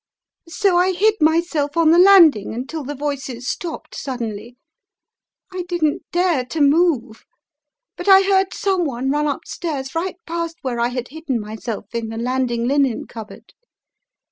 So I hid myself on the landing until the voices stopped suddenly. I didn't dare to move, but I heard someone run upstairs right past where I had hidden myself in the landing linen cupboard.